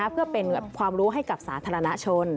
เพื่อเป็นความรู้ให้กับสาธารณชน